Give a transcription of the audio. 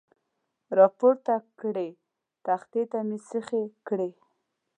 را پورته کړې، تختې ته مې سیخې کړې.